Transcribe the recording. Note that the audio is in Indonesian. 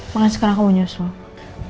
makasih karena aku mau nyuruh semua